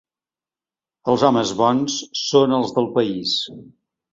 Els homes bons són els del país.